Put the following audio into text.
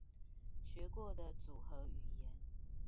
學過組合語言